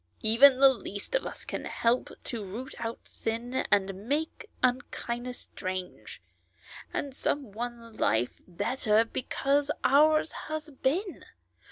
Even the least of us can help to root out sin, and to make unkindness strange, and some one life better because ours has been.